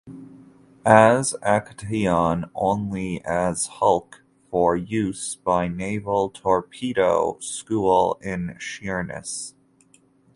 As Actaeon only as hulk for use by naval torpedo school in Sheerness.